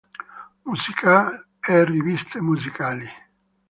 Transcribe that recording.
Musical e riviste musicali